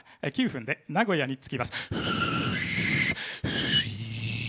９分で名古屋に着きます。